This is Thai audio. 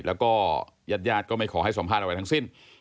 แล้วก็ญาติก็ไม่ขอให้สัมภาษณ์อะไรทั้งสิ้น